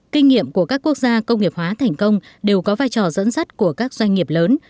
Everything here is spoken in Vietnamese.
kinh nghiệm của các quốc gia công nghiệp hóa thành công đều có vai trò dẫn dắt của các doanh nghiệp lớn